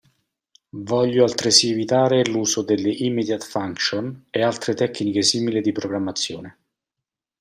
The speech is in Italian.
Voglio altresì evitare l'uso delle immediate function e altre tecniche simili di programmazione.